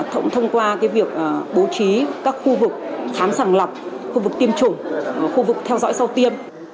thông qua việc bố trí các khu vực khám sàng lọc khu vực tiêm chủng khu vực theo dõi sau tiêm